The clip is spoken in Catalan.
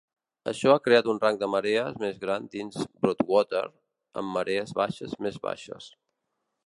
Això ha creat un rang de marees més gran dins Broadwater amb marees baixes més baixes.